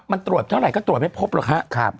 มันตรวจเท่าไหร่ก็ตรวจไม่พบหรอกครับ